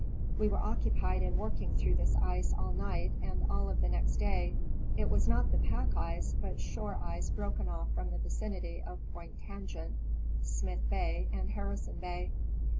We were occupied in working through this ice all night and all of the next day ; it was not the pack ice but shore ice broken off from the vicinity of Point Tangent, Smyth bay, and Harrison bay.